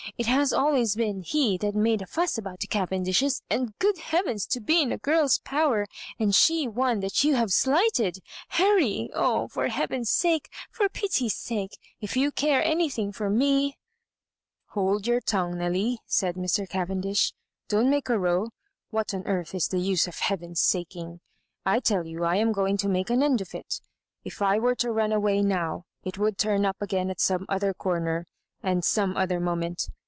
It has always been he that made a fuss about the Cavendishes — and, good heavens I to be in a girl's power, and she one that you have slighted, Harry I Oh, for heaven's sake, for pity's s&e, if you cace any thing for me— .'* Digitized by VjOOQIC MISS MARJORIBANKS. lo: " Hold your tongue, Nelly," said Mr. Caven dish. " Don't make a row. What on earth is the •ase of heaven's saking? I tell you I am going to make an end of it. If I were to run away now, it would turn up again at some other cor ner, and some other moment.